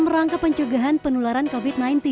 dalam rangka pencugahan penularan covid sembilan belas